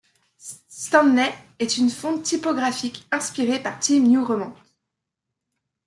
Stanley est une fonte typographique inspirée par Times New Roman.